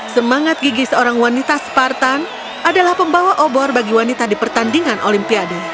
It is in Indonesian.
semangat gigi seorang wanita spartan adalah pembawa obor bagi wanita di pertandingan olimpiade